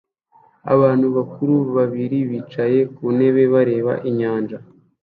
Abantu bakuru babiri bicaye ku ntebe bareba inyanja